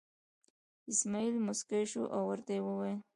اسمعیل موسکی شو او ورته یې وویل.